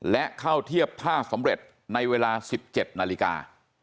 และเข้าเทียบท่าสำเร็จในเวลา๑๗นาฬิกา